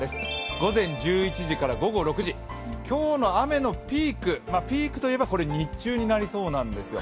午前１１時から午後６時今日の雨のピークピークといえば日中となりそうなんですよ。